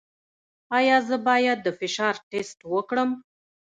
ایا زه باید د فشار ټسټ وکړم؟